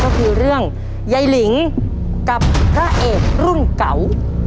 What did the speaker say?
ก็คือเรื่องยายหลิงกับพระเอกรุ่นเก่า